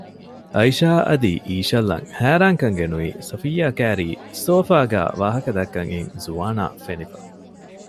އައިޝާ އަދި އީޝަލްއަށް ހައިރާންކަން ގެނުވީ ސޮފިއްޔާ ކައިރީ ސޯފާގައި ވާހަކަދައްކަން އިން ޒުވާނާ ފެނިފަ